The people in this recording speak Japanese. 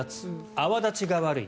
泡立ちが悪い。